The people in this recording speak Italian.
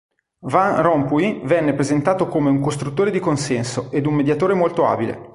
Van Rompuy venne presentato come un "costruttore di consenso" ed un mediatore molto abile.